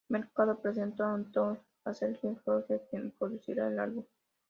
Mercado presentó a Anthony a Sergio George, quien produciría el álbum.